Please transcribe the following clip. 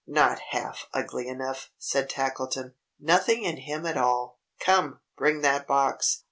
"Not half ugly enough," said Tackleton. "Nothing in him at all. Come! Bring that box!